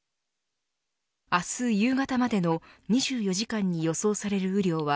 明日夕方までの２４時間に予想される雨量は